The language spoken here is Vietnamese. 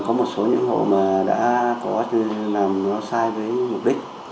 có một số những hộ mà đã có làm nó sai với mục đích